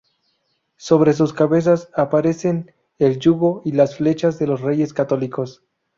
Sobre sus cabezas, aparecen el yugo y las flechas de los Reyes Católicos.